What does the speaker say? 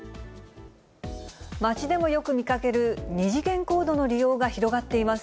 街でもよく見かける二次元コードの利用が広がっています。